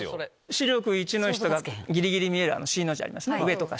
視力１の人がぎりぎり見える「Ｃ」の字ありますよね。